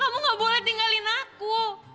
aku gak boleh tinggalin aku